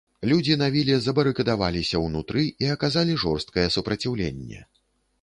Людзі на віле забарыкадаваліся ўнутры і аказалі жорсткае супраціўленне.